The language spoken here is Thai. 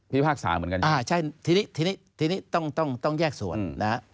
พิพากษาเหมือนกันใช่ไหมใช่ทีนี้ต้องแยกส่วน